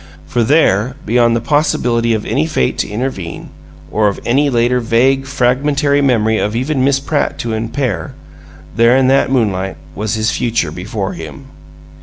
For there, beyond the possibility of any fate to intervene, or of any later vague, fragmentary memory of even Miss Pratt to impair, there in that moonlight was his future before him.